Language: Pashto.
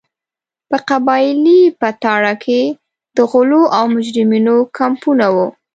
په قبایلي پټاره کې د غلو او مجرمینو کمپونه وو.